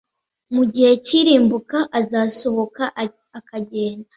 mu gihe cy irimbuka azasohoka akagenda